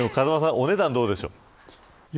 お値段どうでしょう。